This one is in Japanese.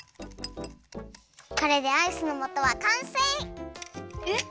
これでアイスのもとはかんせい！